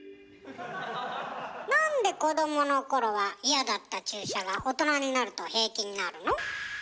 なんで子どものころは嫌だった注射が大人になると平気になるの？